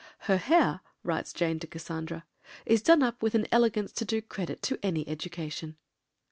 "Her hair," writes Jane to Cassandra, "is done up with an elegance to do credit to any education."